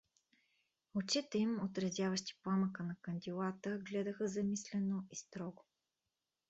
Очите им, отразяващи пламъка на кандилата, гледаха замислено и строго.